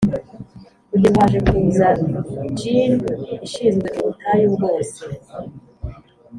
kugeza ubu haje kuza djinn ishinzwe ubutayu bwose